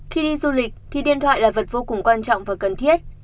khi đi du lịch thì điện thoại là vật vô cùng quan trọng và cần thiết